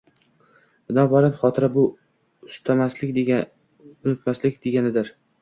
Binobarin, Xotira, bu – unutmaslik, deganidir